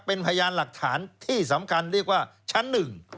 เป็นพยานหลักฐานที่สำคัญเรียกว่าชั้นหนึ่ง